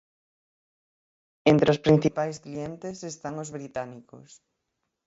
Entre os principais clientes están os británicos.